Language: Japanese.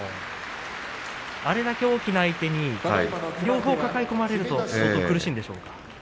あれだけ大きな相手に両方抱え込まれると相当苦しいんでしょうか。